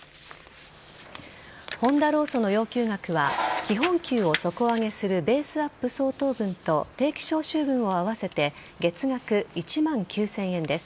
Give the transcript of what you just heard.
ホンダ労組の要求額は基本給を底上げするベースアップ相当分と定期昇給分を合わせて月額１万９０００円です。